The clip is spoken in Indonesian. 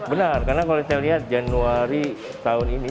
benar karena kalau saya lihat januari tahun ini